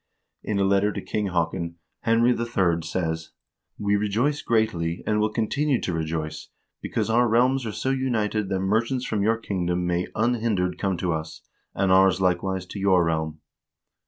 In a letter to King Haakon, Henry III. says: " We rejoice greatly, and will continue to rejoice, because our realms are so united that merchants from your kingdom may unhindered come to us, and ours likewise to your realm."